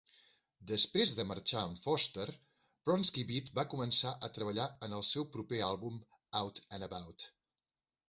Després de marxar en Foster, Bronski Beat va començar a treballar en el seu proper àlbum "Out and About".